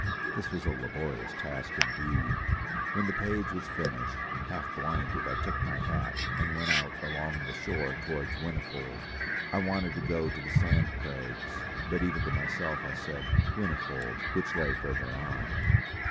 This was a laborious task indeed. When the page was finished, half blinded, I took my hat and went out along the shore towards Whinnyfold. I wanted to go to the Sand Craigs; but even to myself I said 'Whinnyfold' which lay farther on.